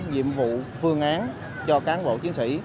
nhiệm vụ phương án cho cán bộ chiến sĩ